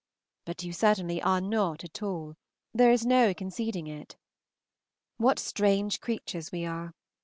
But you certainly are not at all there is no concealing it. What strange creatures we are!